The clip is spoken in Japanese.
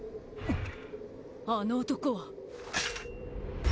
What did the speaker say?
あの男は。